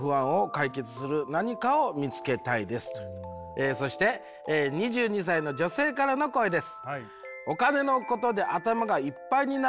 えそして２２歳の女性からの声です。